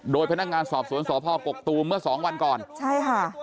โดยพนักงานสอบสวนสพกกตูมเมื่อสองวันก่อนใช่ค่ะ